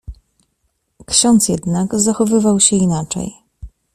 "Ksiądz jednak zachowywał się inaczej."